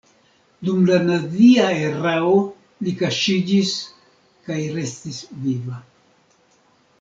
Dum la nazia erao li kaŝiĝis kaj restis viva.